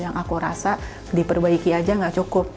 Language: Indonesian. yang aku rasa diperbaiki aja gak cukup